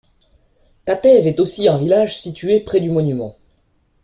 Tatev est aussi un village situé près du monument.